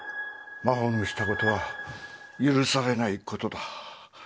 真帆のしたことは許されないことだ。